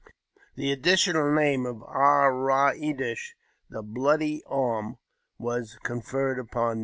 The idditional name of Ar ra e dish (the Bloody Arm) was con erred upon me.